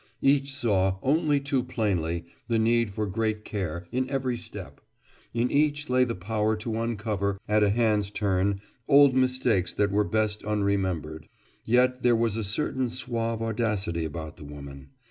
Each saw, only too plainly, the need for great care, in every step. In each lay the power to uncover, at a hand's turn, old mistakes that were best unremembered. Yet there was a certain suave audacity about the woman.